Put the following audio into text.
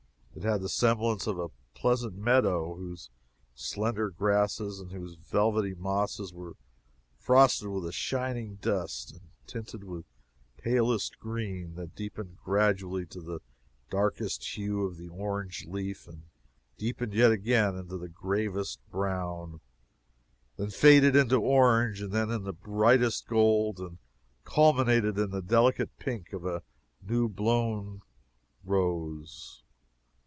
It had the semblance of a pleasant meadow, whose slender grasses and whose velvety mosses were frosted with a shining dust, and tinted with palest green that deepened gradually to the darkest hue of the orange leaf, and deepened yet again into gravest brown, then faded into orange, then into brightest gold, and culminated in the delicate pink of a new blown rose.